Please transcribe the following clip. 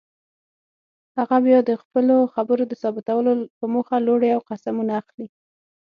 هغه بیا د خپلو خبرو د ثابتولو په موخه لوړې او قسمونه اخلي.